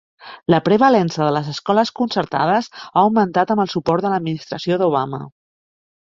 La prevalença de les escoles concertades ha augmentat amb el suport de l'administració d'Obama.